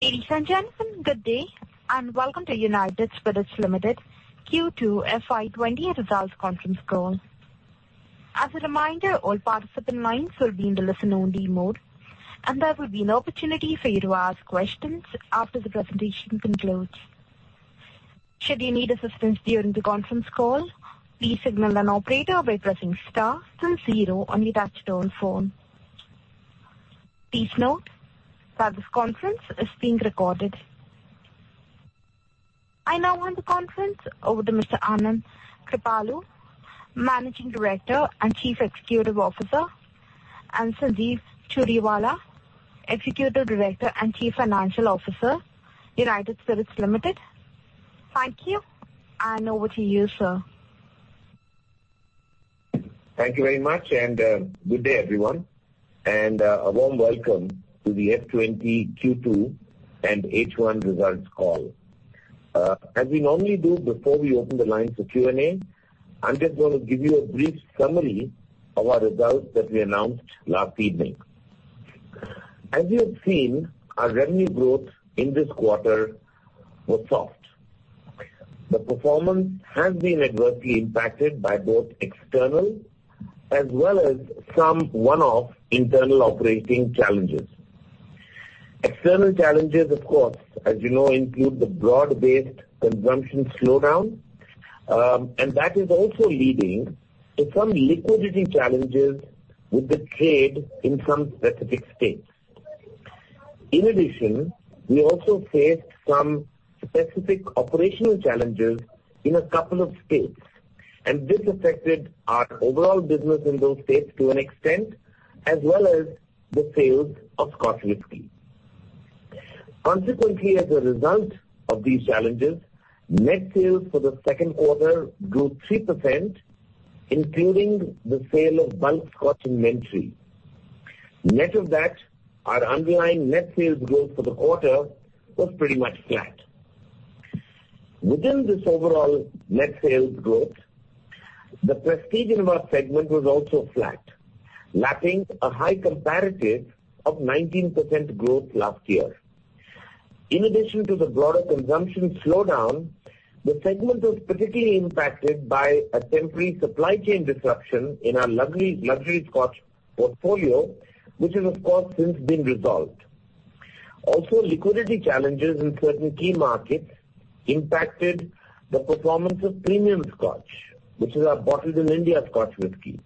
Ladies and gentlemen, good day, and welcome to United Spirits Limited Q2 FY20 Results Conference Call. As a reminder, all participant lines will be in the listen-only mode, and there will be an opportunity for you to ask questions after the presentation concludes. Should you need assistance during the conference call, please signal an operator by pressing star then zero on your touch-tone phone. Please note that this conference is being recorded. I now hand the conference over to Mr. Anand Kripalu — Managing Director and Chief Executive Officer, and Sanjeev Churiwala — Executive Director and Chief Financial Officer, United Spirits Limited. Thank you, and over to you, sir. Thank you very much, and good day, everyone, and a warm welcome to the FY20 Q2 and H1 results call. As we normally do before we open the lines for Q&A, I'm just going to give you a brief summary of our results that we announced last evening. As you have seen, our revenue growth in this quarter was soft. The performance has been adversely impacted by both external as well as some one-off internal operating challenges. External challenges, of course, as you know, include the broad-based consumption slowdown. And that is also leading to some liquidity challenges with the trade in some specific states. In addition, we also faced some specific operational challenges in a couple of states, and this affected our overall business in those states to an extent, as well as the sales of Scotch whisky. Consequently, as a result of these challenges, net sales for the Q2 grew 3%, including the sale of bulk Scotch inventory. Net of that, our underlying net sales growth for the quarter was pretty much flat. Within this overall net sales growth, the Prestige and Above segment was also flat, lacking a high comparative of 19% growth last year. In addition to the broader consumption slowdown, the segment was particularly impacted by a temporary supply chain disruption in our luxury Scotch portfolio, which has, of course, since been resolved. Also, liquidity challenges in certain key markets impacted the performance of premium Scotch, which is our Bottled-in-India Scotch whisky,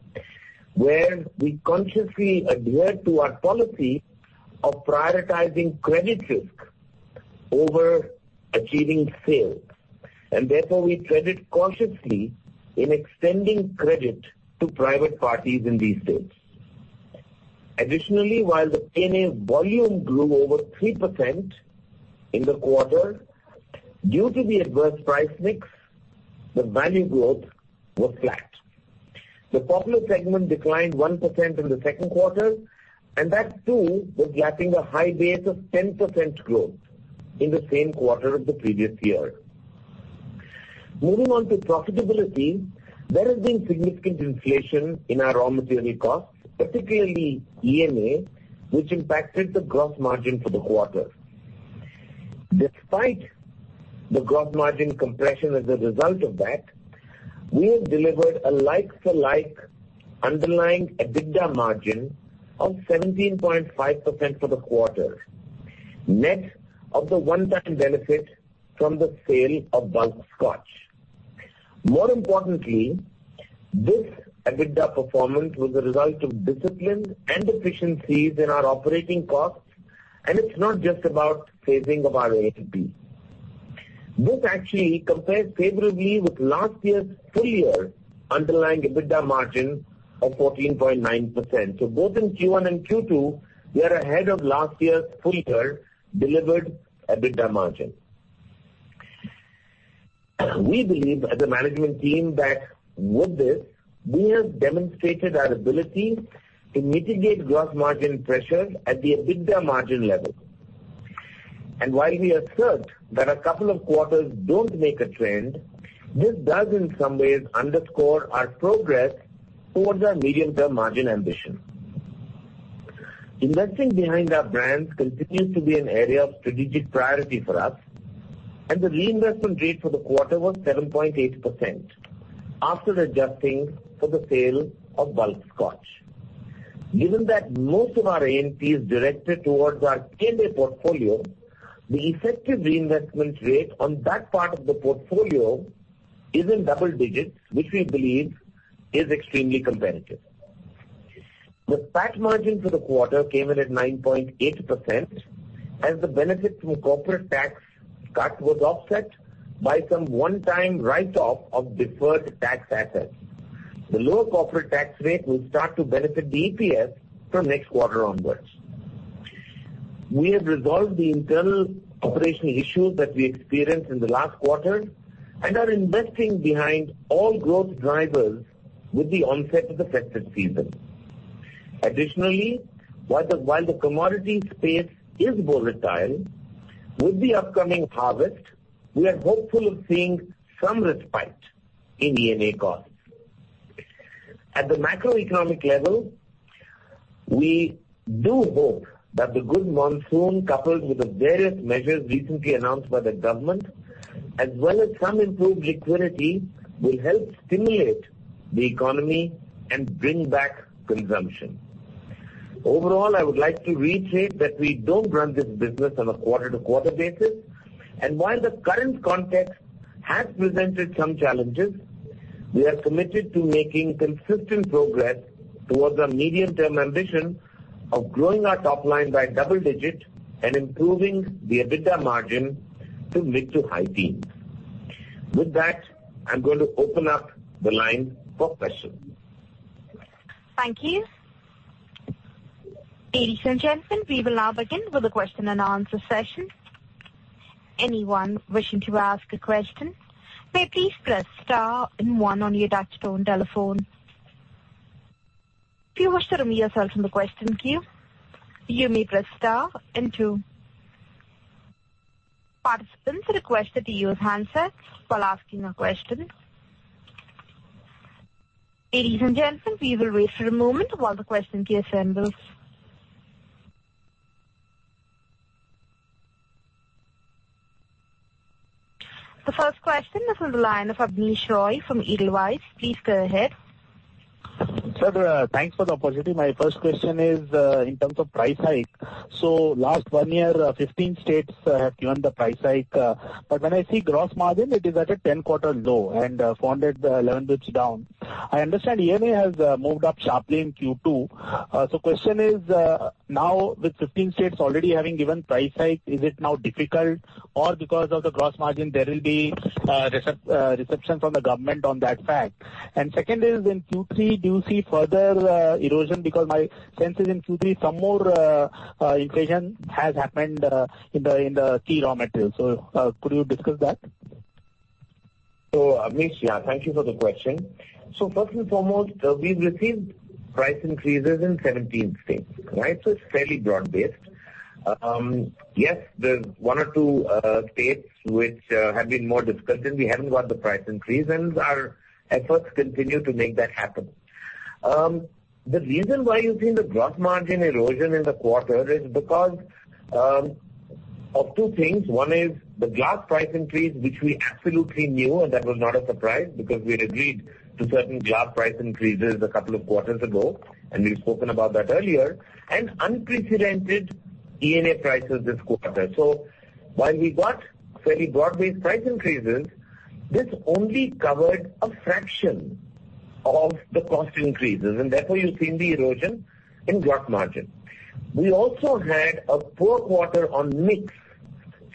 where we consciously adhere to our policy of prioritizing credit risk over achieving sales, and therefore, we credit cautiously in extending credit to private parties in these states. Additionally, while the P&A volume grew over 3% in the quarter, due to the adverse price mix, the value growth was flat. The Popular segment declined 1% in the Q2, and that too was lacking a high base of 10% growth in the same quarter of the previous year. Moving on to profitability, there has been significant inflation in our raw material costs, particularly ENA, which impacted the gross margin for the quarter. Despite the gross margin compression as a result of that, we have delivered a like-for-like underlying EBITDA margin of 17.5% for the quarter, net of the one-time benefit from the sale of bulk Scotch. More importantly, this EBITDA performance was a result of discipline and efficiencies in our operating costs, and it's not just about saving of our A&P. This actually compares favorably with last year's full-year underlying EBITDA margin of 14.9%. So, both in Q1 and Q2, we are ahead of last year's full-year delivered EBITDA margin. We believe, as a management team, that with this, we have demonstrated our ability to mitigate gross margin pressures at the EBITDA margin level. And while we assert that a couple of quarters don't make a trend, this does, in some ways, underscore our progress towards our medium-term margin ambition. Investing behind our brands continues to be an area of strategic priority for us, and the reinvestment rate for the quarter was 7.8% after adjusting for the sale of bulk Scotch. Given that most of our A&P is directed towards our P&A portfolio, the effective reinvestment rate on that part of the portfolio is in double digits, which we believe is extremely competitive. The PAT margin for the quarter came in at 9.8%, as the benefit from corporate tax cut was offset by some one-time write-off of deferred tax assets. The lower corporate tax rate will start to benefit the EPS from next quarter onwards. We have resolved the internal operational issues that we experienced in the last quarter and are investing behind all growth drivers with the onset of the festive season. Additionally, while the commodity space is volatile, with the upcoming harvest, we are hopeful of seeing some respite in ENA costs. At the macroeconomic level, we do hope that the good monsoon, coupled with the various measures recently announced by the government, as well as some improved liquidity, will help stimulate the economy and bring back consumption. Overall, I would like to reiterate that we don't run this business on a quarter-to-quarter basis, and while the current context has presented some challenges, we are committed to making consistent progress towards our medium-term ambition of growing our top line by double digit and improving the EBITDA margin to mid to high teens. With that, I'm going to open up the line for questions. Thank you. Ladies and gentlemen, we will now begin with the question-and-answer session. Anyone wishing to ask a question, may please press star and one on your touch-tone telephone. If you wish to remove yourself from the question queue, you may press star and two. Participants are requested to use handsets while asking a question. Ladies and gentlemen, we will wait for a moment while the question queue assembles. The first question is from the line of Abneesh Roy from Edelweiss. Please go ahead. Sir, thanks for the opportunity. My first question is in terms of price hike. So, last one year, 15 states have given the price hike, but when I see gross margin, it is at a 10-quarter low and down 11 basis points. I understand ENA has moved up sharply in Q2. So question is, now with 15 states already having given price hike, is it now difficult, or because of the gross margin, there will be resistance from the government on that fact? And second is, in Q3, do you see further erosion? Because my sense is in Q3, some more inflation has happened in the key raw materials. So could you discuss that? Abneesh, yeah, thank you for the question. So first and foremost, we've received price increases in 17 states, right? So it's fairly broad-based. Yes, there's one or two states which have been more difficult, and we haven't got the price increase, and our efforts continue to make that happen. The reason why you've seen the gross margin erosion in the quarter is because of two things. One is the glass price increase, which we absolutely knew, and that was not a surprise because we had agreed to certain glass price increases a couple of quarters ago, and we've spoken about that earlier, and unprecedented ENA prices this quarter. So while we got fairly broad-based price increases, this only covered a fraction of the cost increases, and therefore you've seen the erosion in gross margin. We also had a poor quarter on mix,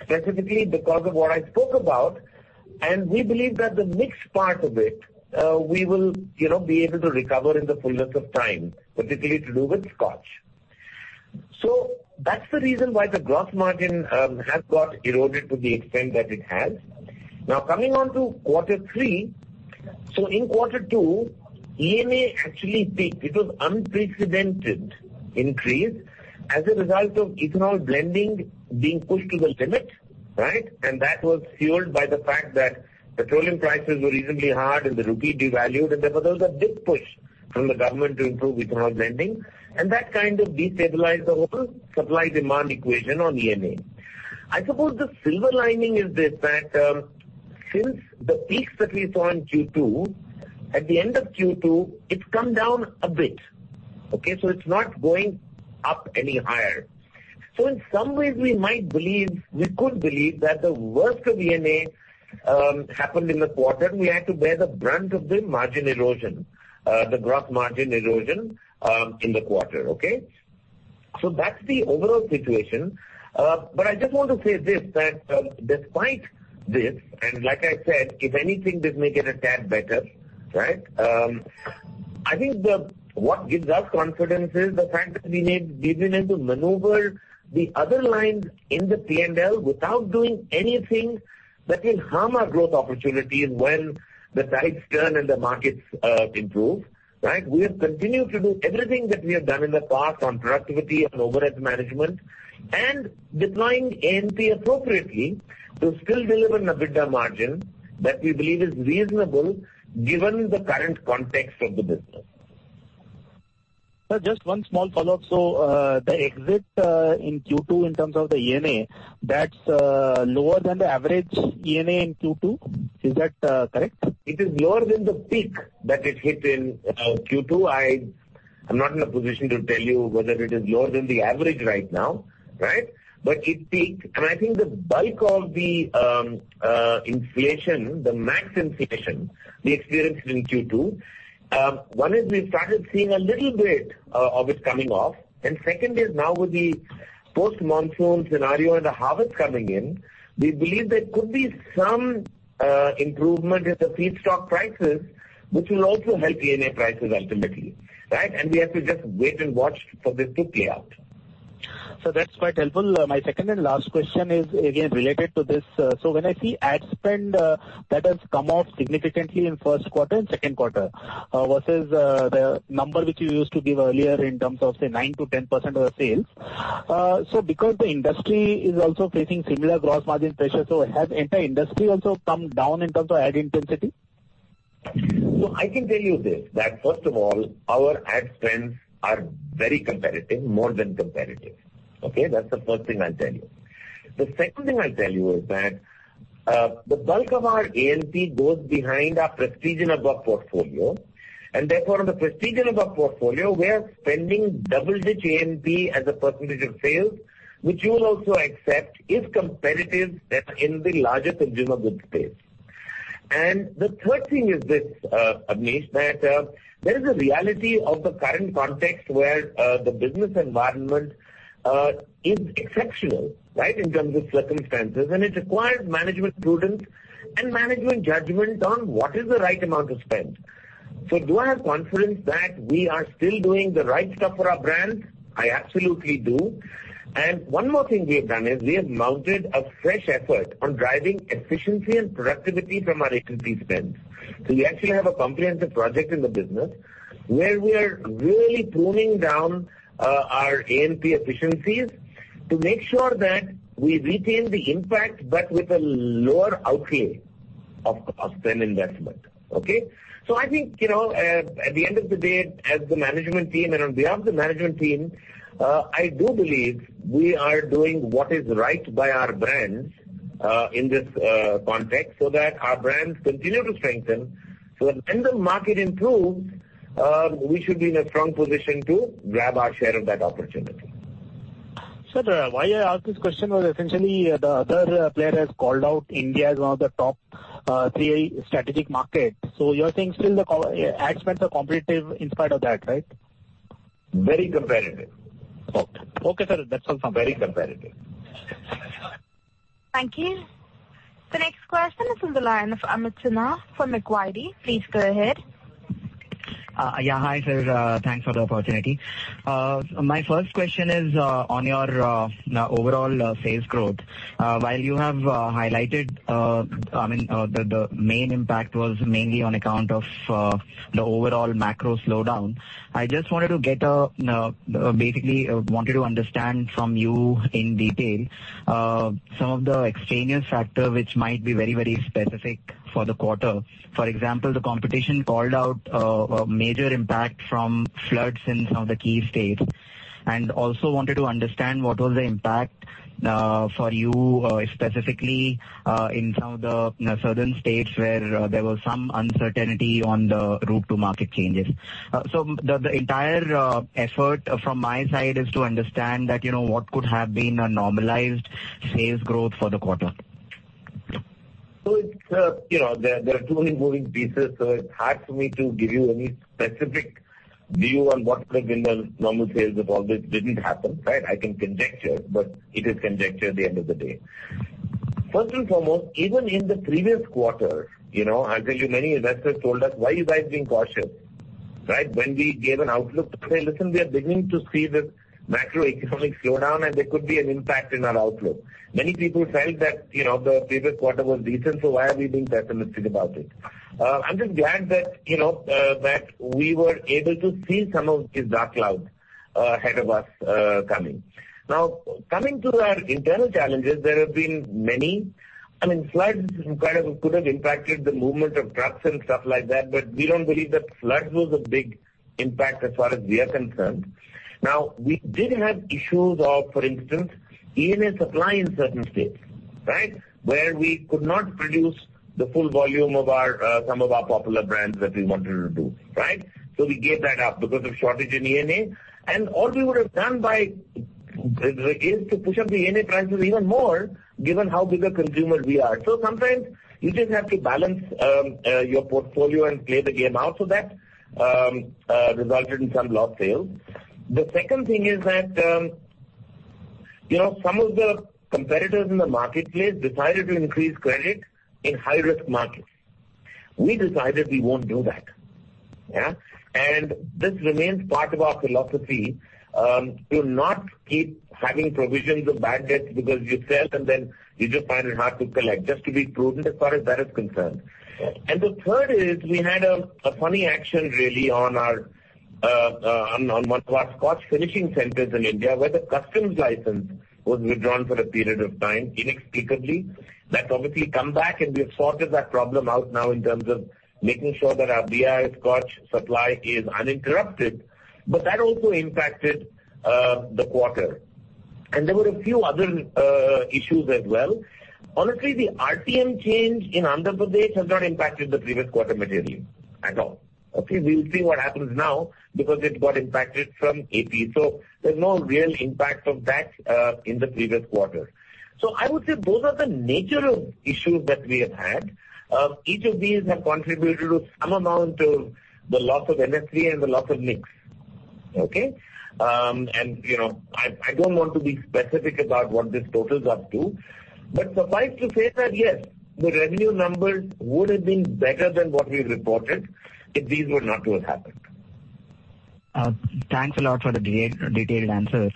specifically because of what I spoke about, and we believe that the mix part of it, we will be able to recover in the fullness of time, particularly to do with Scotch. So that's the reason why the gross margin has got eroded to the extent that it has. Now, coming on to Q3, so in Q2, ENA actually peaked. It was an unprecedented increase as a result of ethanol blending being pushed to the limit, right? And that was fueled by the fact that petroleum prices were reasonably high and the rupee devalued, and therefore there was a big push from the government to improve ethanol blending, and that kind of destabilized the whole supply-demand equation on ENA. I suppose the silver lining is this: that since the peaks that we saw in Q2, at the end of Q2, it's come down a bit. Okay? So it's not going up any higher. So in some ways, we might believe, we could believe that the worst of ENA happened in the quarter, and we had to bear the brunt of the margin erosion, the gross margin erosion in the quarter. Okay? So that's the overall situation. But I just want to say this: that despite this, and like I said, if anything, this may get a tad better, right? I think what gives us confidence is the fact that we've been able to maneuver the other lines in the P&L without doing anything that will harm our growth opportunities when the tides turn and the markets improve, right? We have continued to do everything that we have done in the past on productivity and overhead management and deploying A&P appropriately to still deliver an EBITDA margin that we believe is reasonable given the current context of the business. Sir, just one small follow-up. So, the exit in Q2 in terms of the ENA, that's lower than the average ENA in Q2. Is that correct? It is lower than the peak that it hit in Q2. I'm not in a position to tell you whether it is lower than the average right now, right? But it peaked, and I think the bulk of the inflation, the max inflation we experienced in Q2, one is we started seeing a little bit of it coming off, and second is now with the post-monsoon scenario and the harvest coming in, we believe there could be some improvement in the feedstock prices, which will also help ENA prices ultimately, right? And we have to just wait and watch for this to play out. Sir, that's quite helpful. My second and last question is, again, related to this. So when I see ad spend that has come off significantly in Q1 and Q2 versus the number which you used to give earlier in terms of, say, 9% to 10% of the sales, so because the industry is also facing similar gross margin pressure, so has the entire industry also come down in terms of ad intensity? So I can tell you this, that first of all, our ad spends are very competitive, more than competitive. Okay? That's the first thing I'll tell you. The second thing I'll tell you is that the bulk of our A&P goes behind our Prestige and Above portfolio, and therefore, in the Prestige and Above portfolio, we are spending double-digit A&P as a percentage of sales, which you will also accept is competitive in the larger consumer goods space. And the third thing is this, Abneesh, that there is a reality of the current context where the business environment is exceptional, right, in terms of circumstances, and it requires management prudence and management judgment on what is the right amount of spend. So, do I have confidence that we are still doing the right stuff for our brand? I absolutely do. And one more thing we have done is we have mounted a fresh effort on driving efficiency and productivity from our A&P spend. So we actually have a comprehensive project in the business where we are really pruning down our A&P efficiencies to make sure that we retain the impact, but with a lower outlay of spend investment. Okay? So, I think at the end of the day, as the management team, and on behalf of the management team, I do believe we are doing what is right by our brands in this context so that our brands continue to strengthen. So, when the market improves, we should be in a strong position to grab our share of that opportunity. Sir, why I ask this question was essentially the other player has called out India as one of the top three strategic markets. So you're saying still the ad spend is competitive in spite of that, right? Very competitive. Okay. Okay, sir. That's all from me. Very competitive. Thank you. The next question is on the line of Amit Sinha from Macquarie. Please go ahead. Yeah, hi, sir. Thanks for the opportunity. My first question is on your overall sales growth. While you have highlighted, I mean, the main impact was mainly on account of the overall macro slowdown, I just wanted to basically understand from you in detail some of the extraneous factors which might be very, very specific for the quarter. For example, the competition called out a major impact from floods in some of the key states. And also wanted to understand what was the impact for you specifically in some of the southern states where there was some uncertainty on the route-to-market changes. So the entire effort from my side is to understand what could have been a normalized sales growth for the quarter? So, there are too many moving pieces, so it's hard for me to give you any specific view on what could have been the normal sales if all this didn't happen, right? I can conjecture, but it is conjecture at the end of the day. First and foremost, even in the previous quarter, I'll tell you many investors told us, "Why are we being cautious?" Right? When we gave an outlook, they said, "Listen, we are beginning to see this macroeconomic slowdown, and there could be an impact in our outlook." Many people felt that the previous quarter was decent, so why are we being pessimistic about it? I'm just glad that we were able to see some of these dark clouds ahead of us coming. Now, coming to our internal challenges, there have been many. I mean, floods kind of could have impacted the movement of trucks and stuff like that, but we don't believe that floods were the big impact as far as we are concerned. Now, we did have issues of, for instance, ENA supply in certain states, right, where we could not produce the full volume of some of our Popular brands that we wanted to do, right? So we gave that up because of shortage in ENA. And all we would have done by is to push up the ENA prices even more, given how big a consumer we are. So, sometimes you just have to balance your portfolio and play the game out so that resulted in some lost sales. The second thing is that some of the competitors in the marketplace decided to increase credit in high-risk markets. We decided we won't do that, yeah? This remains part of our philosophy to not keep having provisions of bad debts because you sell and then you just find it hard to collect, just to be prudent as far as that is concerned. The third is, we had a funny action, really, on one of our Scotch finishing centers in India where the customs license was withdrawn for a period of time inexplicably. That's obviously come back, and we have sorted that problem out now in terms of making sure that our BII Scotch supply is uninterrupted, but that also impacted the quarter. There were a few other issues as well. Honestly, the RTM change in Andhra Pradesh has not impacted the previous quarter materially at all. Ok`ay? We'll see what happens now because it got impacted from AP. There's no real impact of that in the previous quarter. So I would say those are the nature of issues that we have had. Each of these have contributed to some amount of the loss of MSP and the loss of mix. Okay? And I don't want to be specific about what this totals up to, but suffice to say that, yes, the revenue numbers would have been better than what we reported if these were not to have happened. Thanks a lot for the detailed answer.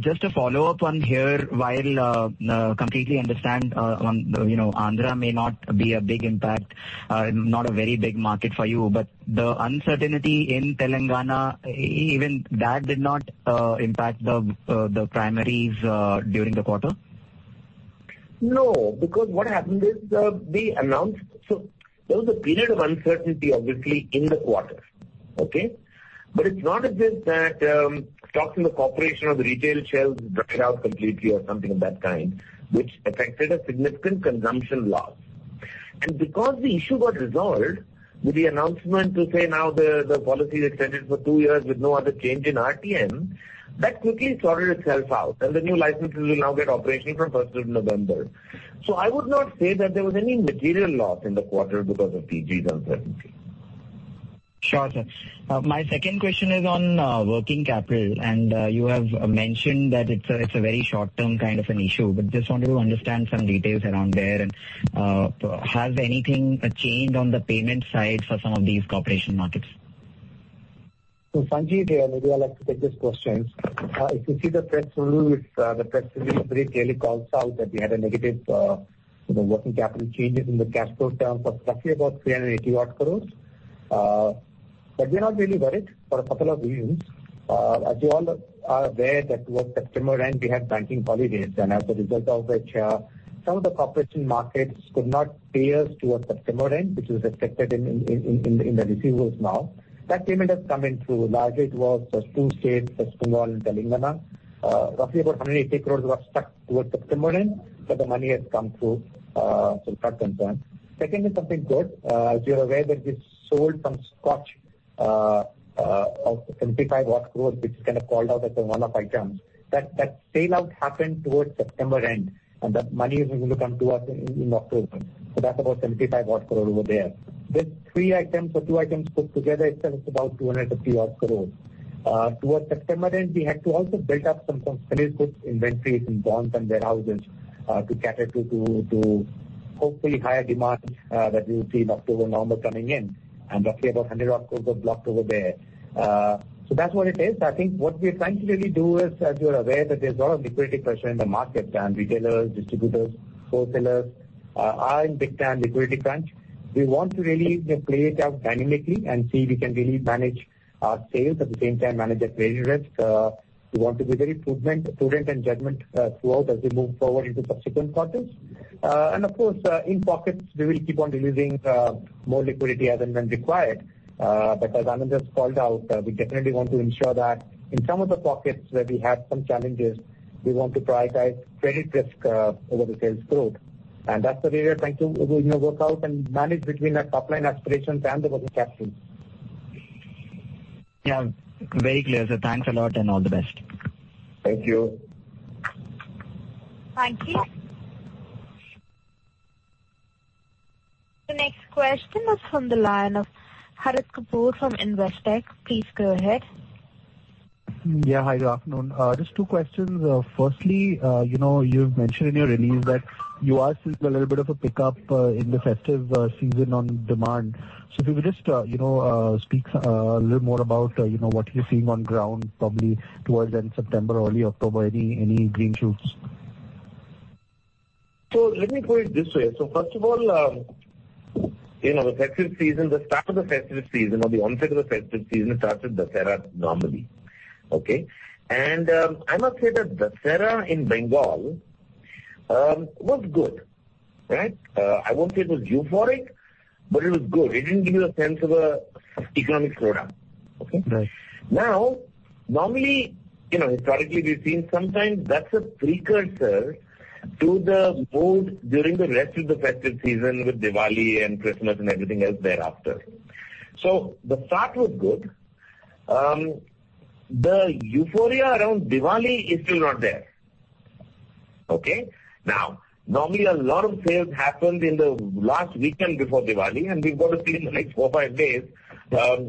Just to follow up on here, while I completely understand Andhra may not be a big impact, not a very big market for you, but the uncertainty in Telangana, even that did not impact the primaries during the quarter? No, because what happened is we announced so there was a period of uncertainty, obviously, in the quarter. Okay? But it's not as if that stocks in the corporation or the retail shells dried out completely or something of that kind, which affected a significant consumption loss. And because the issue got resolved with the announcement to say now the policy is extended for two years with no other change in RTM, that quickly sorted itself out, and the new licenses will now get operational from 1 November 2020. So, I would not say that there was any material loss in the quarter because of TG's uncertainty. Sure. Sir. My second question is on working capital, and you have mentioned that it's a very short-term kind of an issue, but just wanted to understand some details around there, and has anything changed on the payment side for some of these corporation markets? So, Sanjeev here, maybe I'll take this question. If you see the press release, the press release pretty clearly calls out that we had a negative working capital changes in the cash flow terms of roughly about 380-odd crore. But we're not really worried for a couple of reasons. As you all are aware, towards September end, we had banking holidays, and as a result of which, some of the corporate markets could not pay us towards September end, which was expected in the receivables now. That payment has come in through largely towards two states, West Bengal and Telangana. Roughly about 180 crore were stuck towards September end, but the money has come through. So, it's not concerned. Second is something good. As you're aware, there's this sale of Scotch of 75-odd crore, which is kind of called out as one of items. That sale-out happened towards September end, and that money is going to come to us in October. So that's about 75-odd crore over there. These three items or two items put together is about 250-odd crore. Towards September end, we had to also build up some case goods inventories in bonded warehouses to cater to hopefully higher demand that we'll see in October, November coming in. And roughly about 100-odd crore were blocked over there. So that's what it is. I think what we are trying to really do is, as you're aware, that there's a lot of liquidity pressure in the market, and retailers, distributors, wholesalers are in big-time liquidity crunch. We want to really play it out dynamically and see if we can really manage our sales at the same time, manage the credit risk. We want to be very prudent and judgmental throughout as we move forward into subsequent quarters, and of course, in pockets, we will keep on releasing more liquidity other than required because Anand has called out. We definitely want to ensure that in some of the pockets where we have some challenges, we want to prioritize credit risk over the sales growth, and that's the area trying to work out and manage between our top-line aspirations and the working capitals. Yeah. Very clear, sir. Thanks a lot and all the best. Thank you. Thank you. The next question is from the line of Harit Kapoor from Investec. Please go ahead. Yeah. Hi, good afternoon. Just two questions. Firstly, you've mentioned in your release that you are seeing a little bit of a pickup in the festive season on demand. So if you could just speak a little more about what you're seeing on ground probably towards end September, early October, any green shoots? So let me put it this way. So first of all, in the festive season, the start of the festive season or the onset of the festive season starts with Dussehra normally. Okay? And I must say that Dussehra in Bengal was good, right? I won't say it was euphoric, but it was good. It didn't give you a sense of an economic slowdown. Okay? Right. Now, normally, historically, we've seen sometimes that's a precursor to the mood during the rest of the festive season with Diwali and Christmas and everything else thereafter. So, the start was good. The euphoria around Diwali is still not there. Okay? Now, normally, a lot of sales happened in the last weekend before Diwali, and we've got to see in the next four, five days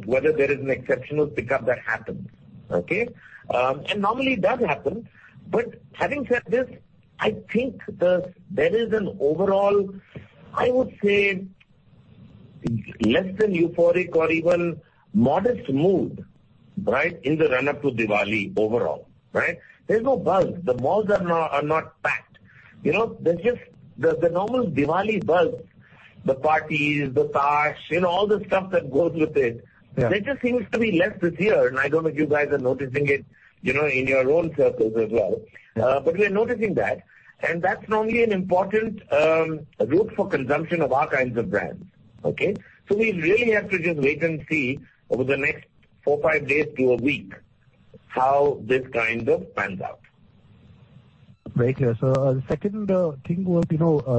whether there is an exceptional pickup that happens. Okay? And normally, it does happen. But having said this, I think there is an overall, I would say, less-than-euphoric or even modest mood, right, in the run-up to Diwali overall, right? There's no buzz. The malls are not packed. There's just the normal Diwali buzz, the parties, the bash, all the stuff that goes with it. There just seems to be less this year, and I don't know if you guys are noticing it in your own circles as well, but we're noticing that. And that's normally an important route for consumption of our kinds of brands. Okay? So we really have to just wait and see over the next four, five days to a week how this kind of pans out. Very clear. So the second thing was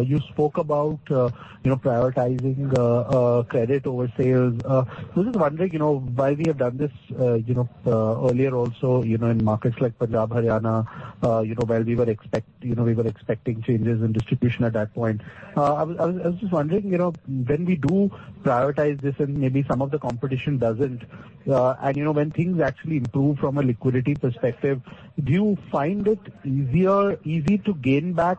you spoke about prioritizing credit over sales. I was just wondering why we have done this earlier also in markets like Punjab, Haryana, while we were expecting changes in distribution at that point. I was just wondering, when we do prioritize this and maybe some of the competition doesn't, and when things actually improve from a liquidity perspective, do you find it easy to gain back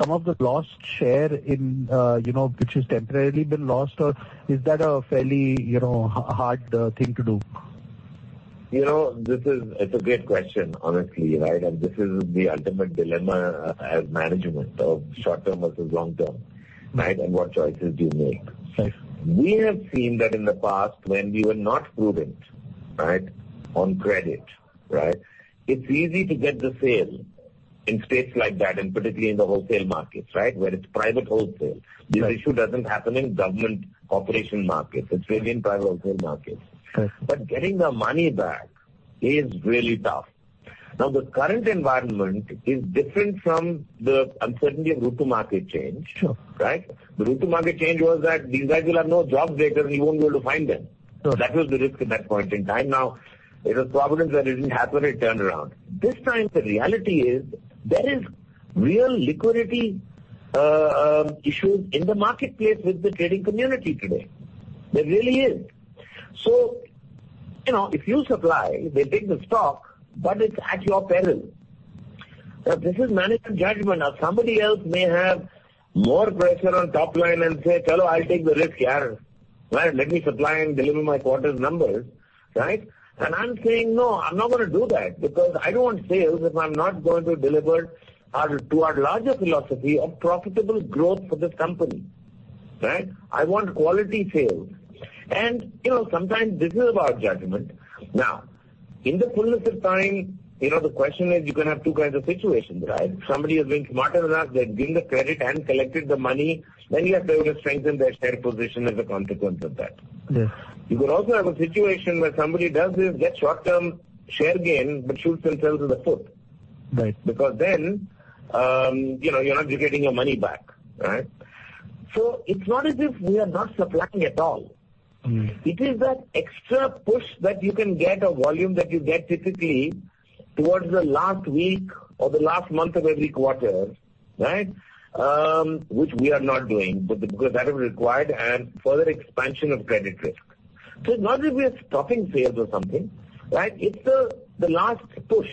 some of the lost share which has temporarily been lost, or is that a fairly hard thing to do? This is a great question, honestly, right? And this is the ultimate dilemma as management of short-term versus long-term, right, and what choices do you make? Right. We have seen that in the past when we were not prudent, right, on credit, right. It's easy to get the sale in states like that, and particularly in the wholesale markets, right, where it's private wholesale. This issue doesn't happen in government corporation markets. It's really in private wholesale markets. But getting the money back is really tough. Now, the current environment is different from the uncertainty of route to market change, right? The route to market change was that these guys will have no jobs later and you won't be able to find them. That was the risk at that point in time. Now, it was probably that it didn't happen and turned around. This time, the reality is there is real liquidity issues in the marketplace with the trading community today. There really is. So if you supply, they take the stock, but it's at your peril. Now, this is management judgment. Now, somebody else may have more pressure on top line and say, "Fellow, I'll take the risk here. Let me supply and deliver my quarter's numbers," right? And I'm saying, "No, I'm not going to do that because I don't want sales if I'm not going to deliver to our larger philosophy of profitable growth for this company," right? I want quality sales. And sometimes this is about judgment. Now, in the fullness of time, the question is you're going to have two kinds of situations, right? Somebody has been smarter than us. They've given the credit and collected the money. Then you have to strengthen their share position as a consequence of that. You could also have a situation where somebody does this, gets short-term share gain, but shoots themselves in the foot because then you're not getting your money back, right? So it's not as if we are not supplying at all. It is that extra push that you can get a volume that you get typically towards the last week or the last month of every quarter, right, which we are not doing because that is required and further expansion of credit risk. So it's not as if we are stopping sales or something, right? It's the last push,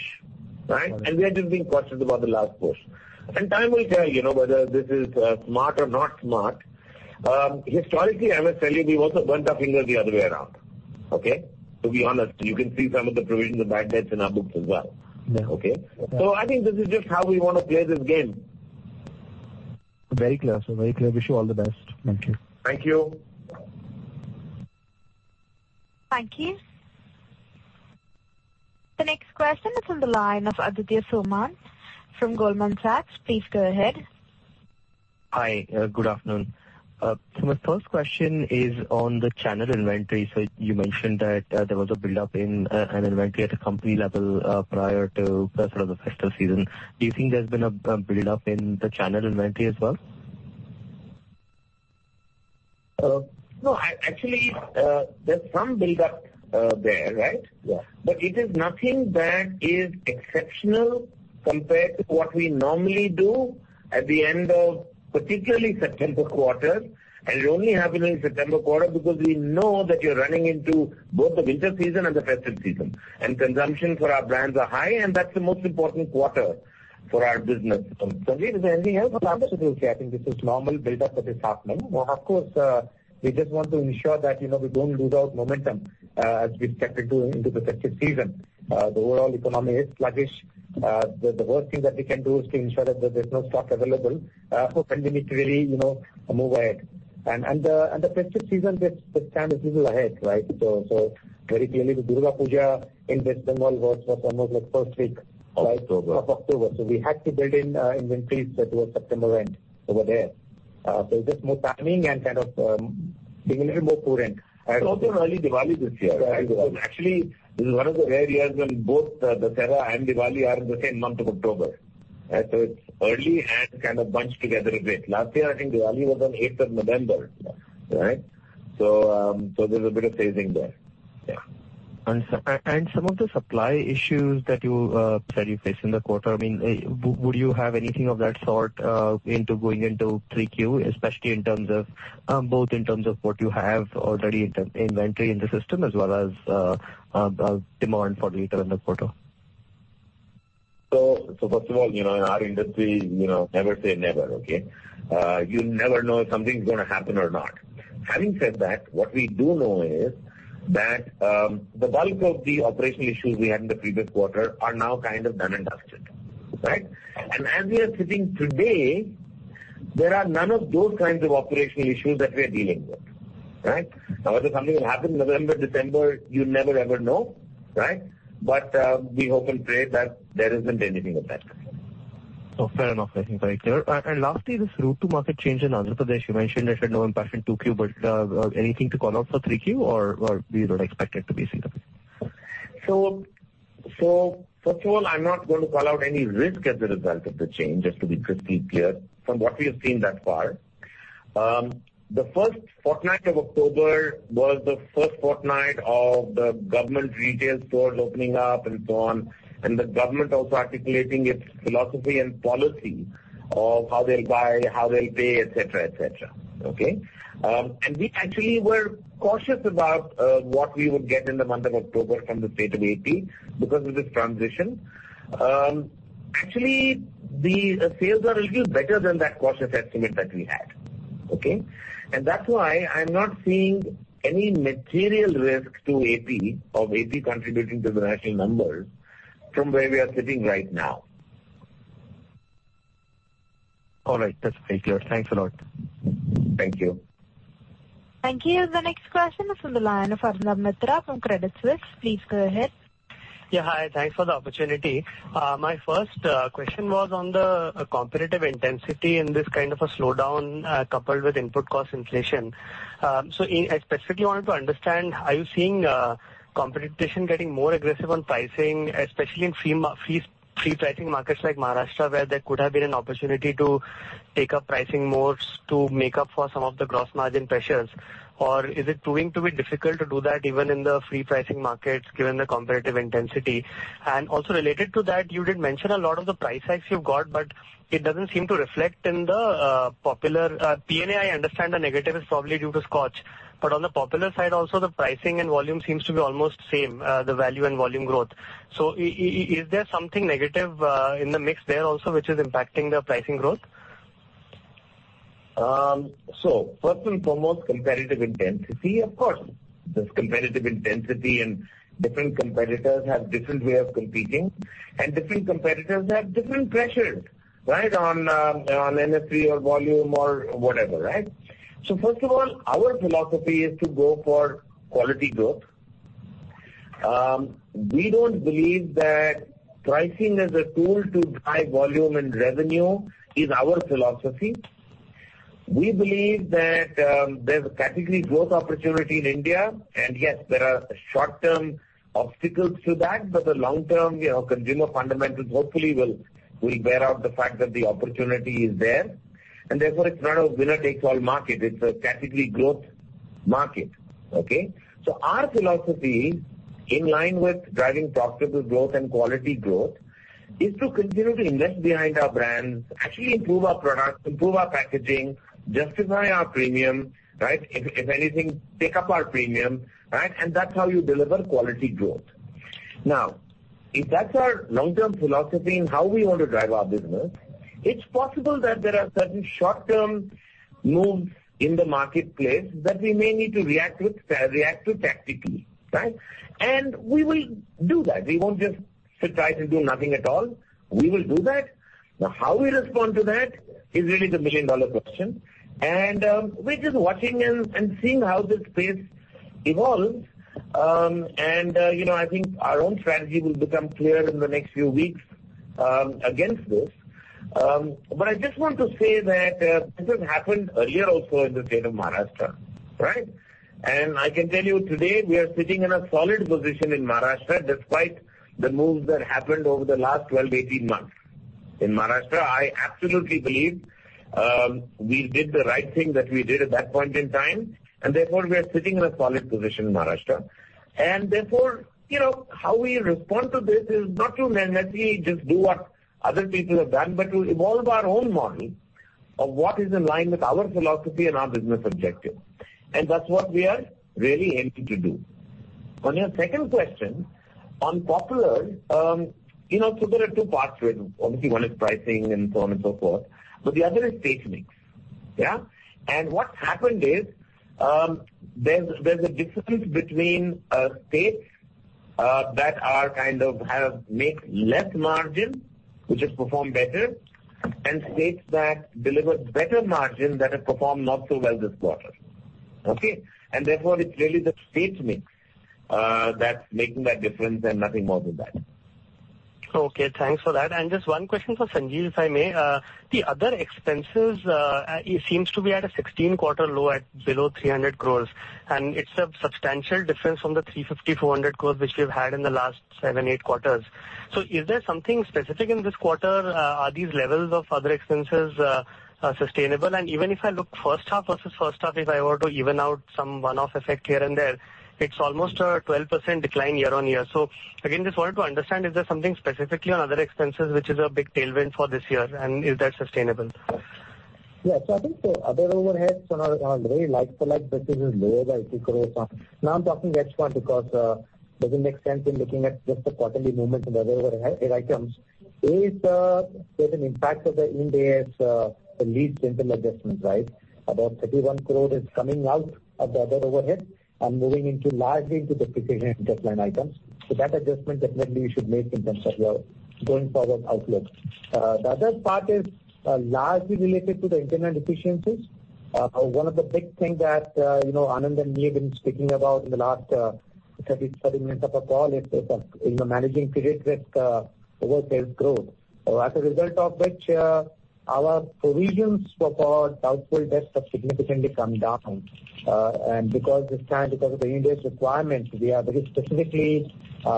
right? And we are just being cautious about the last push. And time will tell whether this is smart or not smart. Historically, I must tell you, we've also burned our fingers the other way around, okay? To be honest, you can see some of the provisions of bad debts in our books as well. Okay? So I think this is just how we want to play this game. Very clear, sir. Very clear. Wish you all the best. Thank you. Thank you. Thank you. The next question is on the line of Aditya Soman from Goldman Sachs. Please go ahead. Hi. Good afternoon. My first question is on the channel inventories. You mentioned that there was a buildup in an inventory at a company level prior to sort of the festive season. Do you think there's been a buildup in the channel inventory as well? No. Actually, there's some buildup there, right? But it is nothing that is exceptional compared to what we normally do at the end of particularly September quarter. And it only happened in September quarter because we know that you're running into both the winter season and the festive season. And consumption for our brands are high, and that's the most important quarter for our business. Sanjeev, is there anything else? Absolutely. I think this is normal buildup that is happening. Of course, we just want to ensure that we don't lose out momentum as we step into the festive season. The overall economy is sluggish. The worst thing that we can do is to ensure that there's no stock available, and we need to really move ahead. And the festive season just stands a little ahead, right? So very clearly, the Durga Puja in West Bengal was almost like first week. Of October. Of October. So we had to build in inventories towards September end over there. So just more timing and kind of being a little more prudent. It's also early Diwali this year. Actually, this is one of the rare years when both Dussehra and Diwali are in the same month of October, right? So, it's early and kind of bunched together a bit. Last year, I think Diwali was on 8 November 2019, right? So, there's a bit of phasing there. Yeah. Some of the supply issues that you said you faced in the quarter, I mean, would you have anything of that sort going into Q3, especially in terms of both in terms of what you have already in inventory in the system as well as demand for later in the quarter? So, first of all, in our industry, never say never, okay? You never know if something's going to happen or not. Having said that, what we do know is that the bulk of the operational issues we had in the previous quarter are now kind of done and dusted, right? And as we are sitting today, there are none of those kinds of operational issues that we are dealing with, right? Now, whether something will happen in November, December, you never, ever know, right? But we hope and pray that there isn't anything of that. Fair enough. I think very clear. And lastly, this route to market change in Andhra Pradesh, you mentioned there's no impact in Q2, but anything to call out for Q3, or you don't expect it to be significant? So, first of all, I'm not going to call out any risk as a result of the change, just to be clear. From what we have seen thus far, the first fortnight of October was the first fortnight of the government retail stores opening up and so on, and the government also articulating its philosophy and policy of how they'll buy, how they'll pay, et cetera, et cetera. Okay? And we actually were cautious about what we would get in the month of October from the state of AP because of this transition. Actually, the sales are a little better than that cautious estimate that we had, okay? And that's why I'm not seeing any material risk to AP of AP contributing to the national numbers from where we are sitting right now. All right. That's very clear. Thanks a lot. Thank you. Thank you. The next question is from the line of Arnab Mitra from Credit Suisse. Please go ahead. Yeah. Hi. Thanks for the opportunity. My first question was on the competitive intensity in this kind of a slowdown coupled with input cost inflation. So I specifically wanted to understand, are you seeing competition getting more aggressive on pricing, especially in free pricing markets like Maharashtra, where there could have been an opportunity to take up pricing more to make up for some of the gross margin pressures? Or is it proving to be difficult to do that even in the free pricing markets given the competitive intensity? And also related to that, you did mention a lot of the price hikes you've got, but it doesn't seem to reflect in the Popular. P&A, I understand the negative is probably due to Scotch. But on the Popular side, also, the pricing and volume seems to be almost same, the value and volume growth. So is there something negative in the mix there also which is impacting the pricing growth? So first and foremost, competitive intensity, of course. There's competitive intensity, and different competitors have different ways of competing, and different competitors have different pressures, right, on NSV or volume or whatever, right? So first of all, our philosophy is to go for quality growth. We don't believe that pricing as a tool to drive volume and revenue is our philosophy. We believe that there's a category growth opportunity in India, and yes, there are short-term obstacles to that, but the long-term consumer fundamentals hopefully will bear out the fact that the opportunity is there. And therefore, it's not a winner-takes-all market. It's a category growth market, okay? So our philosophy in line with driving profitable growth and quality growth is to continue to invest behind our brands, actually improve our products, improve our packaging, justify our premium, right? If anything, pick up our premium, right? That's how you deliver quality growth. Now, if that's our long-term philosophy and how we want to drive our business, it's possible that there are certain short-term moves in the marketplace that we may need to react to tactically, right? We will do that. We won't just sit tight and do nothing at all. We will do that. Now, how we respond to that is really the million-dollar question. We're just watching and seeing how this space evolves. I think our own strategy will become clear in the next few weeks against this. I just want to say that this has happened earlier also in the state of Maharashtra, right? I can tell you today we are sitting in a solid position in Maharashtra despite the moves that happened over the last 12 to 18 months in Maharashtra. I absolutely believe we did the right thing that we did at that point in time, and therefore we are sitting in a solid position in Maharashtra, and therefore, how we respond to this is not to let me just do what other people have done, but to evolve our own model of what is in line with our philosophy and our business objective, and that's what we are really aiming to do. On your second question on Popular, so there are two parts to it. Obviously, one is pricing and so on and so forth, but the other is state mix, yeah? And what's happened is there's a difference between states that kind of make less margin, which has performed better, and states that deliver better margin that have performed not so well this quarter, okay? Therefore, it's really the state mix that's making that difference and nothing more than that. Okay. Thanks for that. And just one question for Sanjeev, if I may. The other expenses seems to be at a 16-quarter low at below 300 crore, and it's a substantial difference from the 350 to 400 crore which we've had in the last seven, eight quarters. So, is there something specific in this quarter? Are these levels of other expenses sustainable? And even if I look H1 versus H1, if I were to even out some one-off effect here and there, it's almost a 12% decline year-on-year. So, again, just wanted to understand, is there something specifically on other expenses which is a big tailwind for this year, and is that sustainable? Yeah. So, I think the other overheads on a very like-for-like basis is lower by 2 crore. Now, I'm talking H1 because it doesn't make sense in looking at just the quarterly movements of other overhead items. There's an impact of the Ind AS lease rental adjustment, right? About 31 crore is coming out of the other overhead and moving largely into the depreciation and interest items. So, that adjustment definitely we should make in terms of your going forward outlook. The other part is largely related to the internal efficiencies. One of the big things that Anand and me have been speaking about in the last 30 minutes of our call is managing credit risk over volume growth, as a result of which our provisions for our doubtful debts have significantly come down. And because of Ind AS requirements, we are very specifically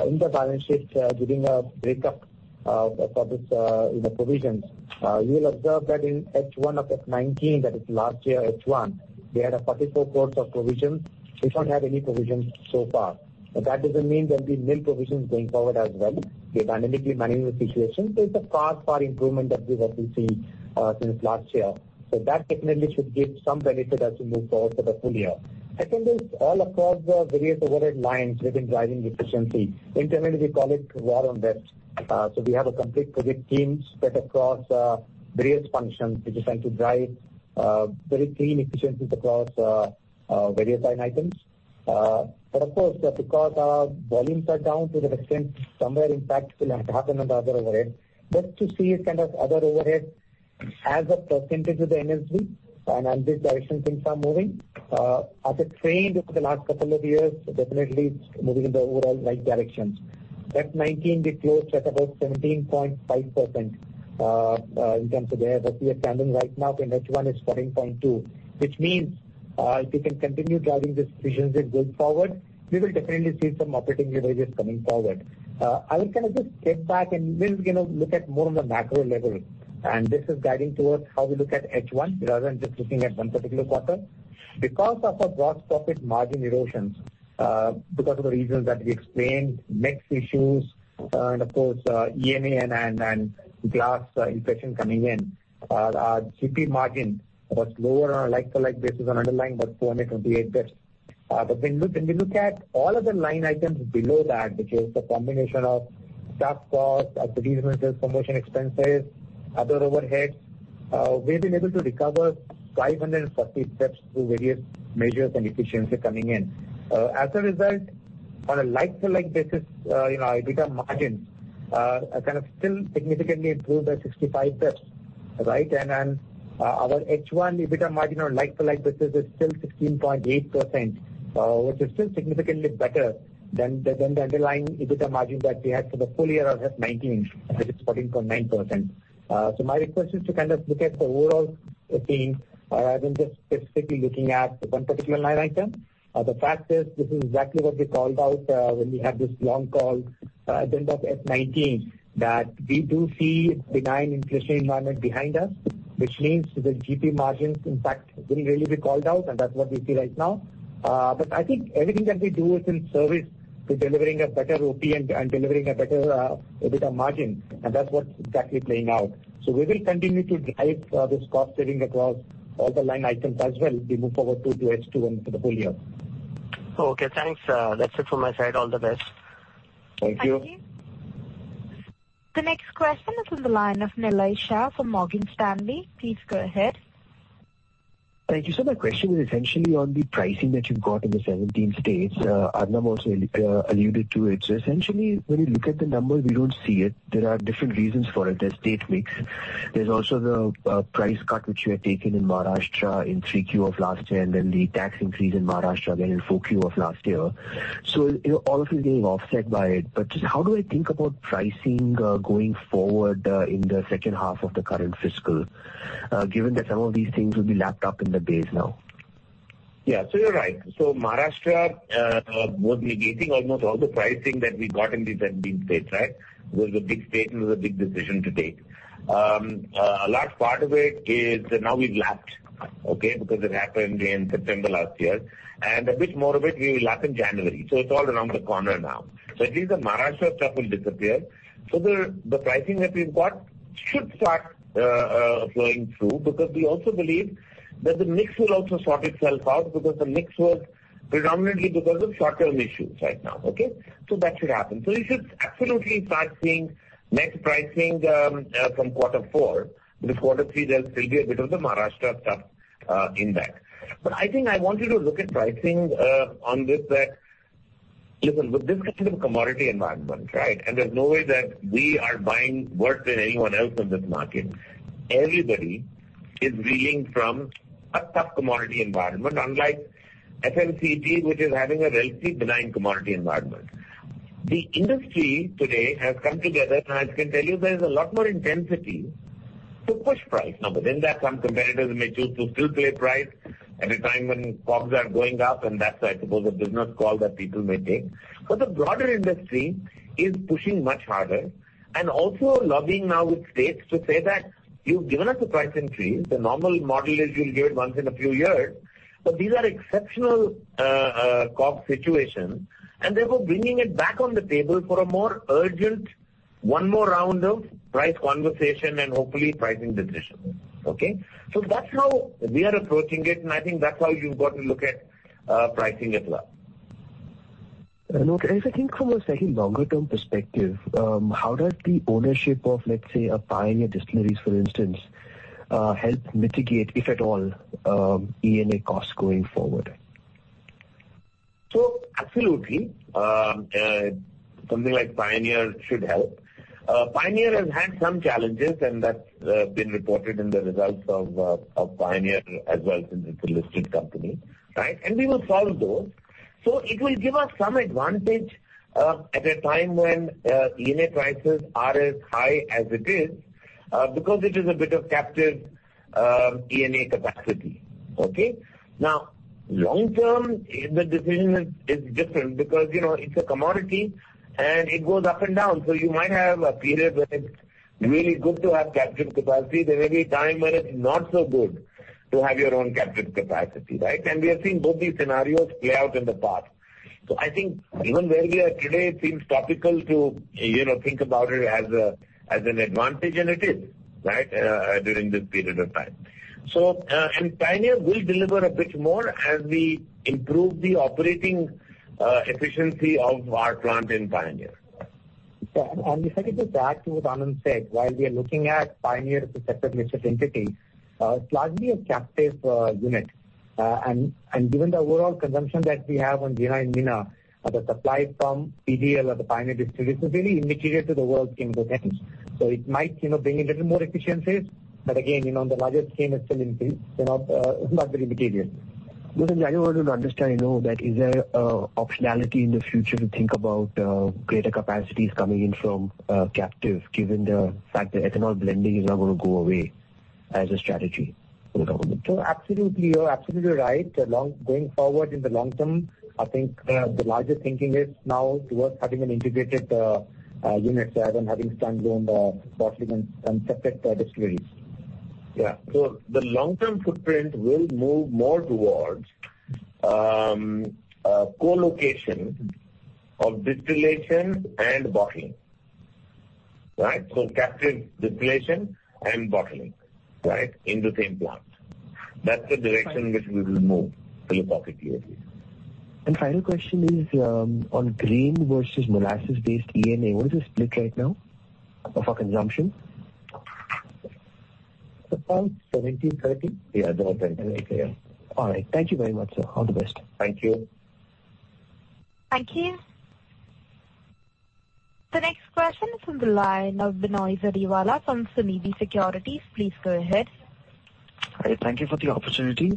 in the balance sheet giving a breakup for these provisions. You will observe that in H1 of F19, that is last year H1, we had 44 crore of provisions. We don't have any provisions so far. But that doesn't mean there'll be no provisions going forward as well. We're dynamically managing the situation. There's a far far improvement that we've obviously seen since last year. So that definitely should give some benefit as we move forward to the full year. Second is all across the various overhead lines we've been driving efficiency. Internally, we call it war on debt. So we have a complete credit team spread across various functions. We're just trying to drive very clean efficiencies across various line items. But of course, because our volumes are down to the extent, somewhere impact will have to happen on the other overhead, just to see kind of other overhead as a percentage of the NSV and the direction things are moving. As it trended over the last couple of years, definitely it's moving in the overall right direction. FY19, we closed at about 17.5% in terms of that. Where we are standing right now in H1 is 14.2%, which means if we can continue driving these efficiencies going forward, we will definitely see some operating leverage coming forward. I would kind of just step back and look at more on the macro level. And this is guiding towards how we look at H1 rather than just looking at one particular quarter. Because of our gross profit margin erosions, because of the reasons that we explained, mix issues, and of course, ENA and glass inflation coming in, our GP margin was lower on a like-for-like basis on underlying about 428 bps. But when we look at all of the line items below that, which is the combination of staff costs, advertisement sales, promotion expenses, other overheads, we've been able to recover 540 bps through various measures and efficiency coming in. As a result, on a like-for-like basis, EBITDA margins kind of still significantly improved by 65 bps, right? And our H1 EBITDA margin on a like-for-like basis is still 16.8%, which is still significantly better than the underlying EBITDA margin that we had for the full year of FY19, which is 14.9%. So, my request is to kind of look at the overall theme, rather than just specifically looking at one particular line item. The fact is, this is exactly what we called out when we had this long call at the end of FY19, that we do see benign inflation environment behind us, which means the GP margins, in fact, didn't really be called out, and that's what we see right now. But I think everything that we do is in service to delivering a better OP and delivering a better EBITDA margin, and that's what's exactly playing out. So, we will continue to drive this cost savings across all the line items as well as we move forward to H2 and for the full year. Okay. Thanks. That's it from my side. All the best. Thank you. Thank you. The next question is on the line of Nillai Shah from Morgan Stanley. Please go ahead. Thank you. So my question is essentially on the pricing that you've got in the 17 states. Arnab also alluded to it. So essentially, when you look at the numbers, we don't see it. There are different reasons for it. There's state mix. There's also the price cut which we had taken in Maharashtra in Q3 of last year, and then the tax increase in Maharashtra again in Q4 of last year. So all of these are being offset by it. But just how do I think about pricing going forward in the second half of the current fiscal, given that some of these things will be lapped up in the base now? Yeah. So you're right. So, Maharashtra, almost all the pricing that we got in these 17 states, right, was a big state, and it was a big decision to take. A large part of it is now we've lapped, okay, because it happened in September last year. And a bit more of it, we will lap in January. So. it's all around the corner now. So. at least the Maharashtra stuff will disappear. So the pricing that we've got should start flowing through because we also believe that the mix will also sort itself out because the mix was predominantly because of short-term issues right now, okay? So that should happen. So we should absolutely start seeing net pricing from quarter four. This quarter three, there'll still be a bit of the Maharashtra stuff in that. But I think I want you to look at pricing on this that, listen, with this kind of commodity environment, right, and there's no way that we are buying worse than anyone else in this market. Everybody is reeling from a tough commodity environment, unlike FMCG, which is having a relatively benign commodity environment. The industry today has come together, and I can tell you there is a lot more intensity to push price. Now, within that, some competitors may choose to still play price at a time when COGS are going up, and that's, I suppose, a business call that people may take. But the broader industry is pushing much harder and also lobbying now with states to say that you've given us a price increase. The normal model is you'll give it once in a few years, but these are exceptional COGS situations, and they're both bringing it back on the table for a more urgent one more round of price conversation and hopefully pricing decision, okay? So that's how we are approaching it, and I think that's how you've got to look at pricing as well. If I think from a slightly longer-term perspective, how does the ownership of, let's say, a Pioneer Distilleries, for instance, help mitigate, if at all, ENA costs going forward? Absolutely. Something like Pioneer should help. Pioneer has had some challenges, and that's been reported in the results of Pioneer as well since it's a listed company, right? We will solve those. It will give us some advantage at a time when ENA prices are as high as it is because it is a bit of captive ENA capacity, okay? Now, long-term, the decision is different because it's a commodity, and it goes up and down. You might have a period when it's really good to have captive capacity. There may be a time when it's not so good to have your own captive capacity, right? We have seen both these scenarios play out in the past. I think even where we are today, it seems topical to think about it as an advantage, and it is, right, during this period of time. Pioneer will deliver a bit more as we improve the operating efficiency of our plant in Pioneer. Yeah. And if I could just add to what Anand said, while we are looking at Pioneer as a separate P&L entity, it's largely a captive unit. And given the overall consumption that we have on our own ENA, the supply from PDL or the Pioneer Distilleries is really immaterial to the overall scheme of things. So it might bring a little more efficiencies, but again, on the larger scale, it's still insignificant. It's not very material. Listen, I want to understand. I know that. Is there an optionality in the future to think about greater capacities coming in from captive, given the fact that ethanol blending is not going to go away as a strategy for the government? So absolutely, you're absolutely right. Going forward in the long term, I think the larger thinking is now towards having an integrated unit there and having standalone bottling and separate distilleries. Yeah. So the long-term footprint will move more towards co-location of distillation and bottling, right? So captive distillation and bottling, right, into the same plant. That's the direction which we will move strategically. Final question is on grain versus molasses-based ENA. What is the split right now of our consumption? About 70/30? Yeah, about 70. All right. Thank you very much, sir. All the best. Thank you. Thank you. The next question is on the line of Binoy Jariwala from Sunidhi Securities. Please go ahead. Hi. Thank you for the opportunity.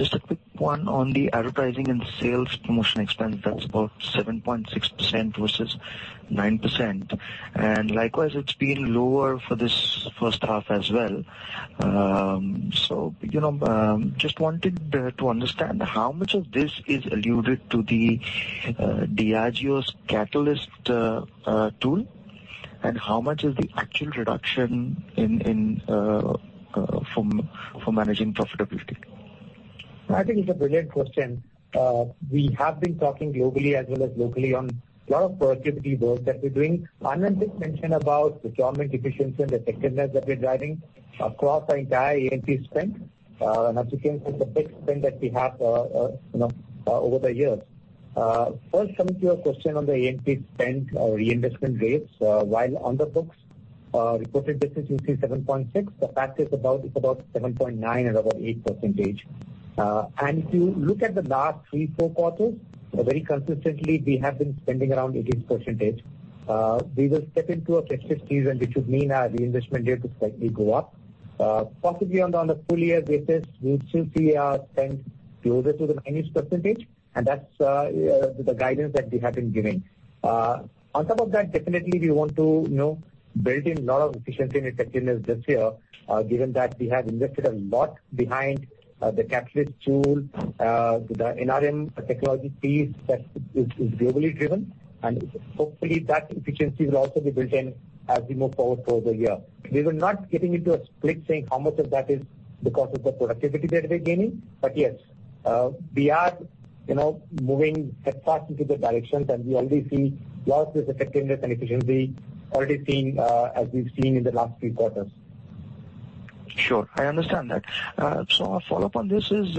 Just a quick one on the advertising and sales promotion expense. That's about 7.6% versus 9%. And likewise, it's been lower for this H1 as well. So just wanted to understand how much of this is alluded to the Diageo's Catalyst tool and how much is the actual reduction for managing profitability? I think it's a brilliant question. We have been talking globally as well as locally on a lot of productivity work that we're doing. Anand just mentioned about the governance efficiency and the effectiveness that we're driving across our entire A&P spend. And as you can see, the fixed spend that we have over the years. First, coming to your question on the A&P spend or reinvestment rates, while on the books, reported business we see 7.6%. The fact is, it's about 7.9% and about 8%. If you look at the last three, four quarters, very consistently, we have been spending around 18%. We will step into a festive season, which would mean our reinvestment rate will slightly go up. Possibly on a full-year basis, we'll still see our spend closer to the 90%, and that's the guidance that we have been giving. On top of that, definitely, we want to build in a lot of efficiency and effectiveness this year, given that we have invested a lot behind the Catalyst tool, the NRM technology piece that is globally driven, and hopefully, that efficiency will also be built in as we move forward for the year. We were not getting into a split saying how much of that is because of the productivity that we're gaining, but yes, we are moving headfirst into the direction, and we already see a lot of this effectiveness and efficiency already seen as we've seen in the last few quarters. Sure. I understand that. So, a follow-up on this is,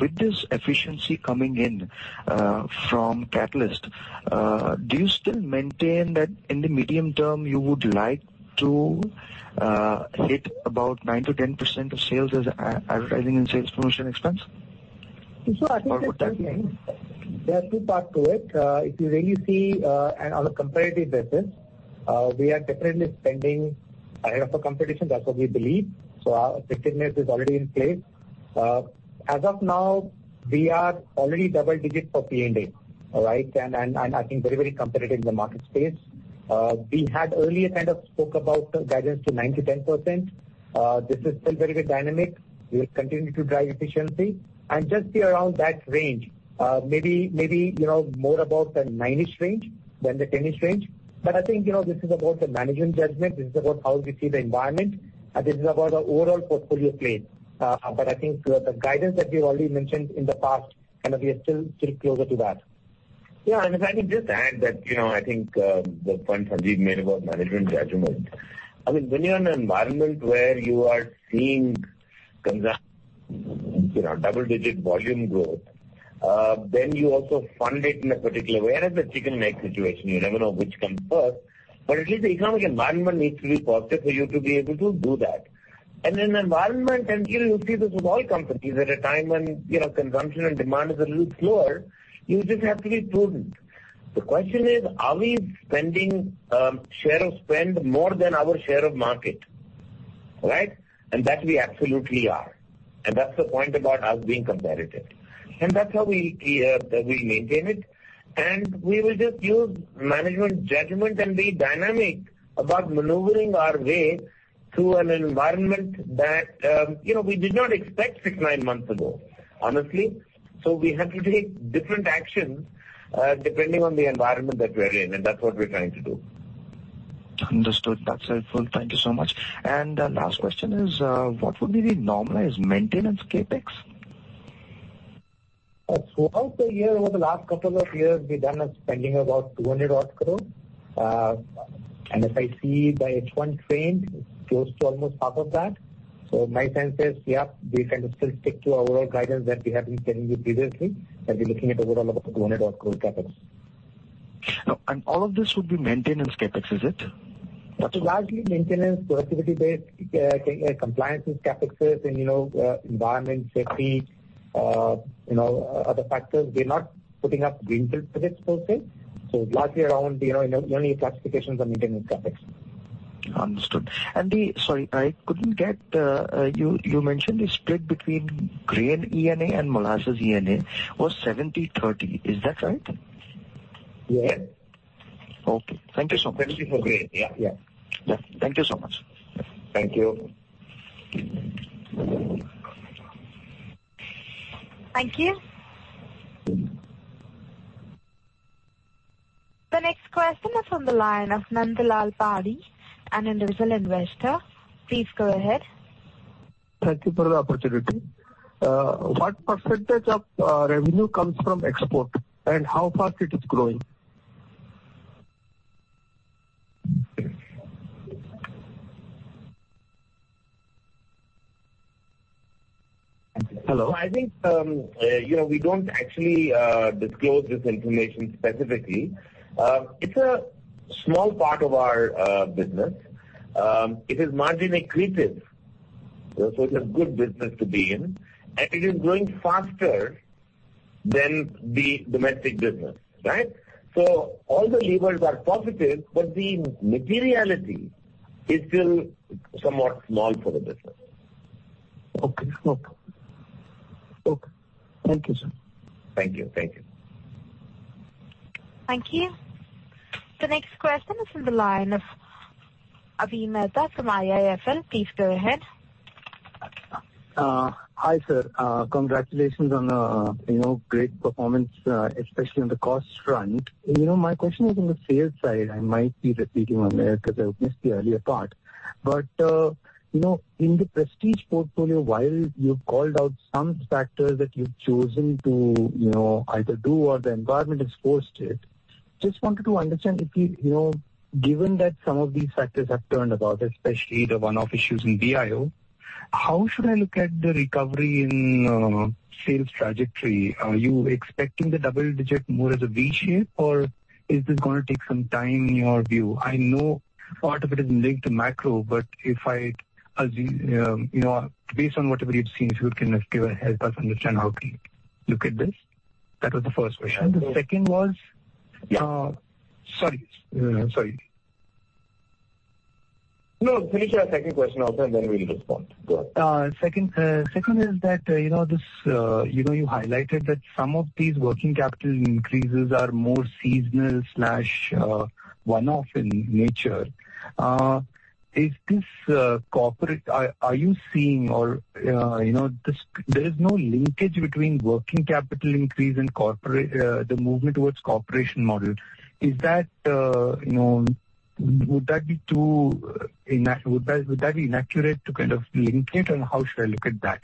with this efficiency coming in from Catalyst, do you still maintain that in the medium term, you would like to hit about 9% to 10% of sales as advertising and sales promotion expense? So I think there are two parts to it. If you really see on a comparative basis, we are definitely spending ahead of our competition. That's what we believe. So our effectiveness is already in place. As of now, we are already double-digit for P&A, right? And I think very, very competitive in the market space. We had earlier kind of spoke about guidance to 9% to 10%. This is still very good dynamic. We will continue to drive efficiency. And just be around that range, maybe more about the 9-ish range than the 10-ish range. But I think this is about the management judgment. This is about how we see the environment, and this is about the overall portfolio play. But I think the guidance that we've already mentioned in the past, kind of we are still closer to that. Yeah. And if I can just add that I think the point Deep made about management judgment. I mean, when you're in an environment where you are seeing double-digit volume growth, then you also fund it in a particular way. And it's a chicken-and-egg situation. You never know which comes first. But at least the economic environment needs to be positive for you to be able to do that. And in an environment, and you'll see this with all companies, at a time when consumption and demand is a little slower, you just have to be prudent. The question is, are we spending share of spend more than our share of market, right? And that we absolutely are. And that's the point about us being competitive. And that's how we maintain it. And we will just use management judgment and be dynamic about maneuvering our way through an environment that we did not expect six, nine months ago, honestly. So we have to take different actions depending on the environment that we're in, and that's what we're trying to do. Understood. That's helpful. Thank you so much, and the last question is, what would be the normalized maintenance CAPEX? Throughout the year, over the last couple of years, we've done spending about 200-odd crore. And as I see by H1 trend, close to almost half of that. So, my answer is, yes, we can still stick to our overall guidance that we have been telling you previously, that we're looking at overall about 200-odd crore CAPEX. All of this would be maintenance CAPEX, is it? That's largely maintenance, productivity-based compliance CAPEX, and environmental, safety, other factors. We're not putting up windmill projects, per se. So it's largely around only classifications of maintenance CAPEX. Understood. And the, sorry, I couldn't get, you mentioned the split between grain ENA and molasses ENA was 70/30. Is that right? Yes. Okay. Thank you so much. Especially for grain. Yeah. Yeah. Thank you so much. Thank you. Thank you. The next question is on the line of Nandlal Padhi, an individual investor. Please go ahead. Thank you for the opportunity. What percentage of revenue comes from export, and how fast it is growing? Hello. I think we don't actually disclose this information specifically. It's a small part of our business. It is marginally accretive, so it's a good business to be in, and it is growing faster than the domestic business, right, so all the levers are positive, but the materiality is still somewhat small for the business. Okay. Okay. Thank you, sir. Thank you. Thank you. Thank you. The next question is on the line of Avi Mehta from IIFL. Please go ahead. Hi, sir. Congratulations on the great performance, especially on the cost front. My question is on the sales side. I might be repeating on there because I missed the earlier part. But in the Prestige portfolio, while you've called out some factors that you've chosen to either do or the environment has forced it, just wanted to understand if you, given that some of these factors have turned about, especially the one-off issues in BIO, how should I look at the recovery in sales trajectory? Are you expecting the double-digit more as a V-shape, or is this going to take some time in your view? I know part of it is linked to macro, but if I, based on whatever you've seen, if you can just give a help us understand how to look at this. That was the first question. The second was, sorry. Sorry. No, finish your second question out there, and then we'll respond. Go ahead. Second is that you highlighted that some of these working capital increases are more seasonal/one-off in nature. Is this corporatization or there is no linkage between working capital increase and the movement towards corporatization model? Would that be inaccurate to kind of link it, and how should I look at that?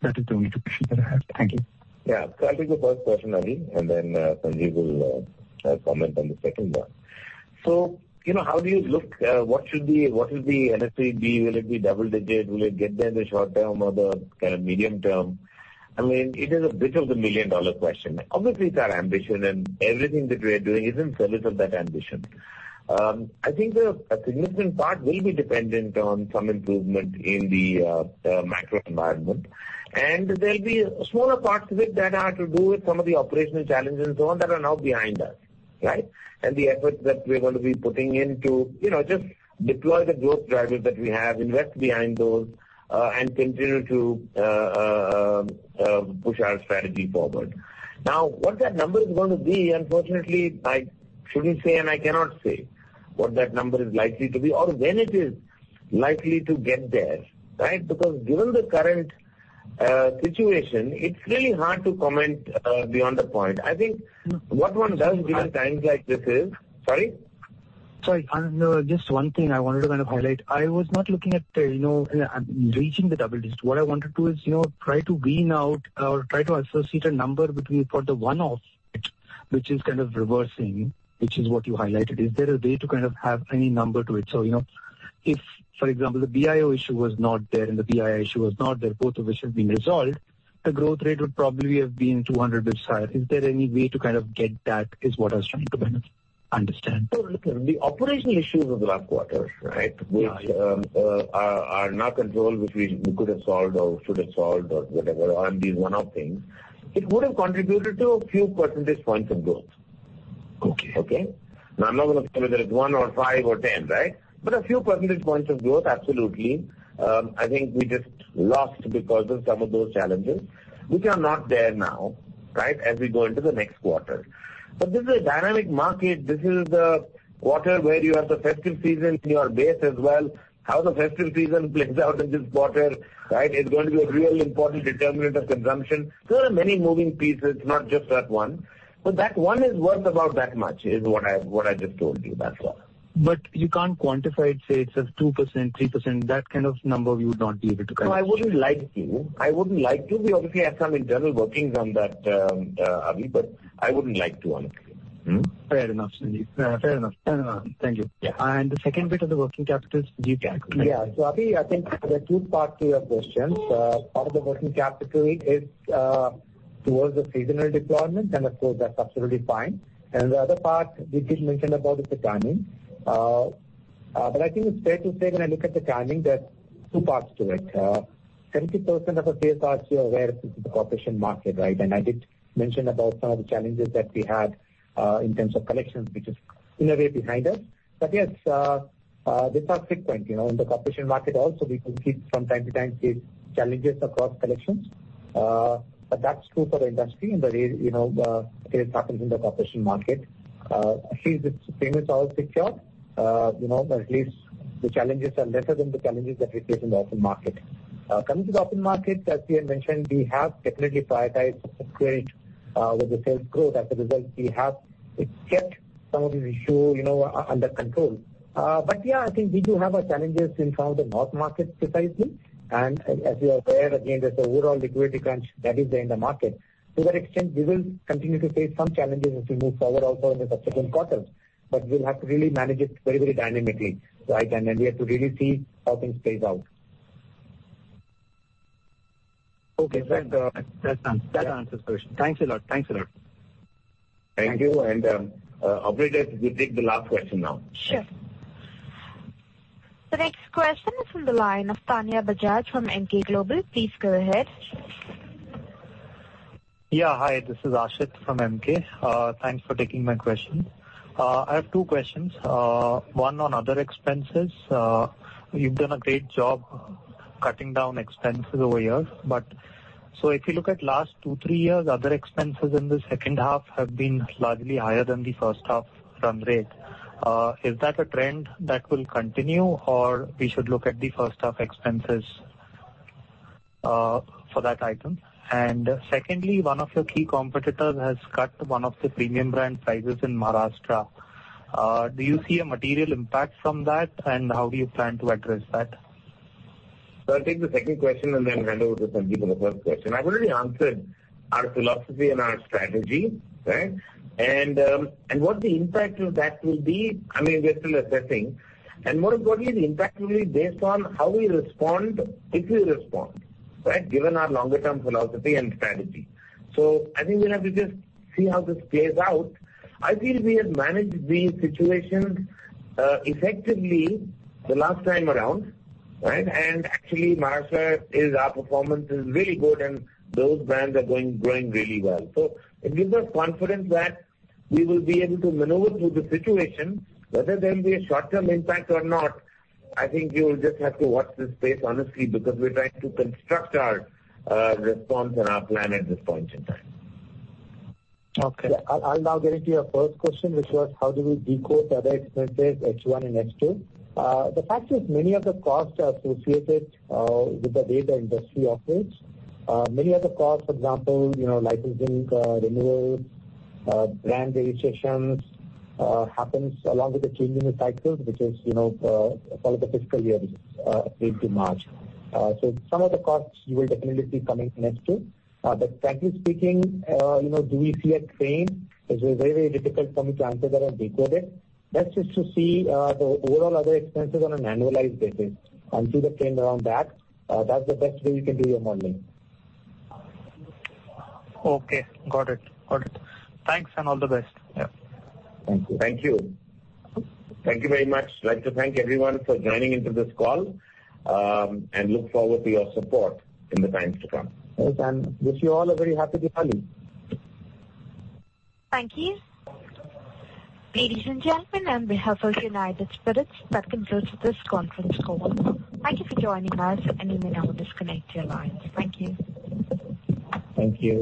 That is the only question that I have. Thank you. Yeah. So I'll take the first question, Anand, and then Sanjeev will comment on the second one. So how do you look? What should the NSV be? Will it be double-digit? Will it get there in the short term or the kind of medium term? I mean, it is a bit of the million-dollar question. Obviously, it's our ambition, and everything that we are doing is in furtherance of that ambition. I think a significant part will be dependent on some improvement in the macro environment. And there'll be smaller parts of it that are to do with some of the operational challenges and so on that are now behind us, right? And the efforts that we're going to be putting into just deploy the growth drivers that we have, invest behind those, and continue to push our strategy forward. Now, what that number is going to be, unfortunately, I shouldn't say, and I cannot say what that number is likely to be or when it is likely to get there, right? Because given the current situation, it's really hard to comment beyond the point. I think what one does during times like this is, sorry? Sorry. Just one thing I wanted to kind of highlight. I was not looking at reaching the double digit. What I wanted to do is try to wean out or try to associate a number for the one-off, which is kind of reversing, which is what you highlighted. Is there a way to kind of have any number to it? So if, for example, the BIO issue was not there and the BIO issue was not there, both of which have been resolved, the growth rate would probably have been 200 bps higher. Is there any way to kind of get that is what I was trying to kind of understand. So look, the operational issues of the last quarter, right, which are now controlled, which we could have solved or should have solved or whatever, or these one-off things, it would have contributed to a few percentage points of growth. Okay. Okay? Now, I'm not going to say whether it's one or five or 10, right? But a few percentage points of growth, absolutely. I think we just lost because of some of those challenges, which are not there now, right, as we go into the next quarter. But this is a dynamic market. This is a quarter where you have the festive season in your base as well. How the festive season plays out in this quarter, right, is going to be a real important determinant of consumption. There are many moving pieces, not just that one. But that one is worth about that much is what I just told you. That's all. But you can't quantify it, say, it's a 2%, 3%. That kind of number, you would not be able to kind of. So I wouldn't like to. I wouldn't like to. We obviously have some internal workings on that, Avi, but I wouldn't like to, honestly. Fair enough, Sanjeev. Fair enough. Thank you, and the second bit of the working capital is deeper. Yeah. So Avi, I think there are two parts to your questions. Part of the working capital is towards the seasonal deployment, and of course, that's absolutely fine. And the other part we did mention about is the timing. But I think it's fair to say when I look at the timing, there's two parts to it. 70% of the sales are actually in the corporate market, right? And I did mention about some of the challenges that we had in terms of collections, which is in a way behind us. But yes, these are frequent. In the corporate market also, we do see from time to time these challenges across collections. But that's true for the industry and the way sales happen in the corporate market. Here the payments are all secured. At least the challenges are lesser than the challenges that we face in the open market. Coming to the open market, as we had mentioned, we have definitely prioritized subscribers with the sales growth. As a result, we have kept some of these issues under control. But yeah, I think we do have our challenges in some of the North markets precisely. And as you're aware, again, there's the overall liquidity crunch that is there in the market. To that extent, we will continue to face some challenges as we move forward also in the subsequent quarters. But we'll have to really manage it very, very dynamically, right? And then we have to really see how things play out. Okay. That's fine. That answers the question. Thanks a lot. Thanks a lot. Thank you. And operators, we take the last question now. Sure. The next question is on the line of Tanya Bajaj from Emkay Global. Please go ahead. Yeah. Hi. This is Ashit from Emkay. Thanks for taking my question. I have two questions. One on other expenses. You've done a great job cutting down expenses over here. So, if you look at last two, three years, other expenses in the second half have been largely higher than the first half run rate. Is that a trend that will continue, or we should look at the first half expenses for that item? And secondly, one of your key competitors has cut one of the premium brand prices in Maharashtra. Do you see a material impact from that, and how do you plan to address that? So I'll take the second question and then hand over to Sanjeev for the first question. I've already answered our philosophy and our strategy, right? And what the impact of that will be, I mean, we're still assessing. And most importantly, the impact will be based on how we respond if we respond, right, given our longer-term philosophy and strategy. So I think we'll have to just see how this plays out. I feel we have managed these situations effectively the last time around, right? And actually, Maharashtra, our performance is really good, and those brands are growing really well. So it gives us confidence that we will be able to maneuver through the situation, whether there will be a short-term impact or not. I think we will just have to watch this space, honestly, because we're trying to construct our response and our plan at this point in time. Okay. I'll now get into your first question, which was how do we decode other expenses, H1 and H2? The fact is many of the costs are associated with the way the industry operates. Many of the costs, for example, licensing, renewals, brand registrations happens along with the changing of cycles, which has followed the fiscal year, which is May to March. So, some of the costs you will definitely see coming next year. But frankly speaking, do we see a trend? It's very, very difficult for me to answer that and decode it. Best is to see the overall other expenses on an annualized basis and see the trend around that. That's the best way you can do your modeling. Okay. Got it. Got it. Thanks and all the best. Thank you. Thank you. Thank you very much. I'd like to thank everyone for joining into this call and look forward to your support in the times to come. Thanks, Anand. Wish you all a very happy Diwali. Thank you. Ladies and gentlemen, on behalf of United Spirits, that concludes this conference call. Thank you for joining us, and you may now disconnect your lines. Thank you. Thank you.